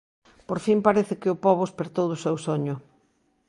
Por fin parece que o Pobo espertou do seu soño.